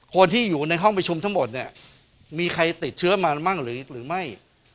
คนที่อยู่ในห้องประชุมทั้งหมดเนี่ยมีใครติดเชื้อมามั่งหรือไม่